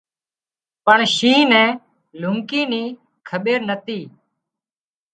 پڻ شينهن نين لونڪي ني کٻير نتي